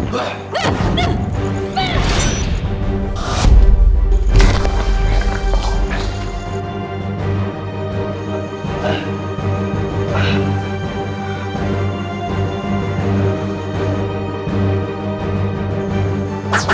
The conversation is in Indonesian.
terimalah pusaka ini saudaraku